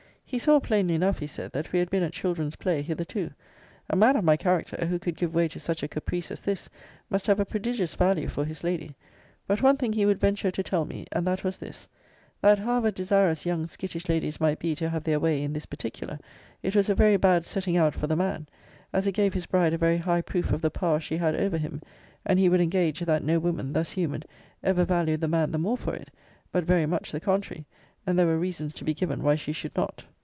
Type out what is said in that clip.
He saw plainly enough, he said, that we had been at children's play hitherto. A man of my character, who could give way to such a caprice as this, must have a prodigious value for his lady. But one thing he would venture to tell me; and that was this that, however desirous young skittish ladies might be to have their way in this particular, it was a very bad setting out for the man; as it gave his bride a very high proof of the power she had over him: and he would engage, that no woman, thus humoured, ever valued the man the more for it; but very much the contrary and there were reasons to be given why she should not.